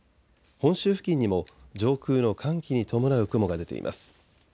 本州付近にも上空の寒気に伴う雲が出ています。